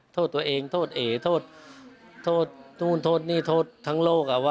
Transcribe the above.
โทษตัวเองโทษเอโทษนี้โทษทั้งโลก